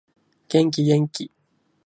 元気元気